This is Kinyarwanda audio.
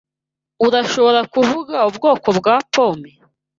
Urashobora kuvuga ubwoko bwa pome?